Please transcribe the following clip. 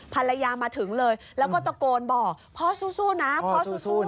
มาถึงเลยแล้วก็ตะโกนบอกพ่อสู้นะพ่อสู้